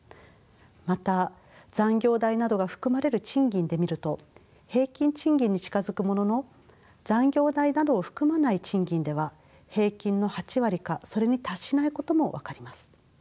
また残業代などが含まれる賃金で見ると平均賃金に近づくものの残業代などを含まない賃金では平均の８割かそれに達しないことも分かります。